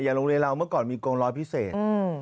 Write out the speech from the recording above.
โรงเรียนเราเมื่อก่อนมีกองร้อยพิเศษ